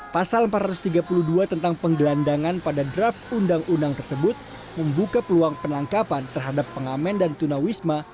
pasal empat ratus tiga puluh dua tentang penggelandangan pada draft undang undang tersebut membuka peluang penangkapan terhadap pengamen dan tunawisma